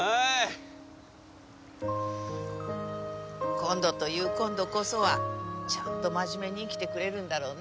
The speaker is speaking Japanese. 今度という今度こそはちゃんと真面目に生きてくれるんだろうね？